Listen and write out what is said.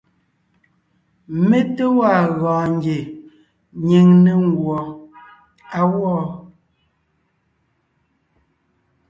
Mé té gwaa gɔɔn ngie nyìŋ ne nguɔ á gwɔ.